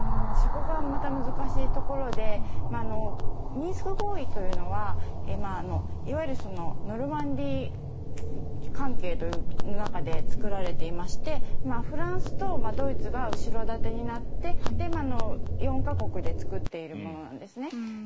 そこがまた難しいところでミンスク合意というのはいわゆるノルマンディー関係という中で作られていましてフランスとドイツが後ろ盾になって４か国で作っているものです。